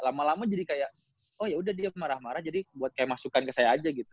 lama lama jadi kayak oh yaudah dia marah marah jadi buat kayak masukan ke saya aja gitu